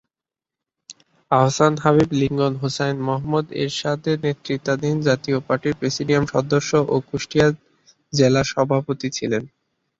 Ahsan Habib Lincoln Hussain Muhammad এরশাদের নেতৃত্বাধীন জাতীয় পার্টির প্রেসিডিয়াম সদস্য ও কুষ্টিয়া জেলা সভাপতি ছিলেন।